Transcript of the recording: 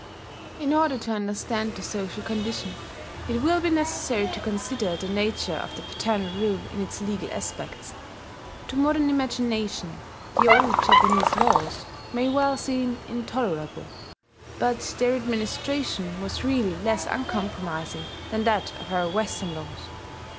In order to understand the social condition, it will be necessary to consider the nature of the paternal rule in its legal aspects. To modern imagination the old Japanese laws may well seem intolerable; but their administration was really less uncompromising than that of our Western laws.